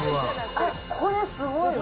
あっ、これすごいな。